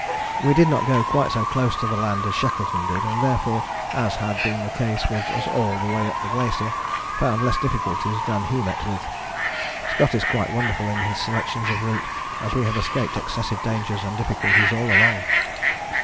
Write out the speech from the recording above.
We did not go quite so close to the land as Shackleton did, and therefore, as had been the case with us all the way up the glacier, found less difficulties than he met with. Scott is quite wonderful in his selections of route, as we have escaped excessive dangers and difficulties all along.